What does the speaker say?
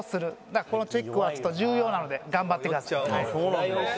だからこのチェックはちょっと重要なので頑張ってください。